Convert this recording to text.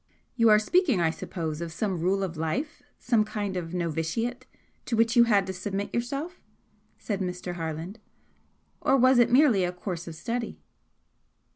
"You are speaking, I suppose, of some rule of life, some kind of novitiate to which you had to submit yourself," said Mr. Harland "Or was it merely a course of study?"